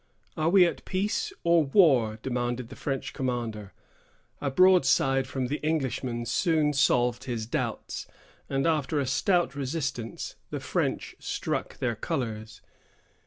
"Are we at peace or war?" demanded the French commander. A broadside from the Englishman soon solved his doubts, and after a stout resistance the French struck their colors.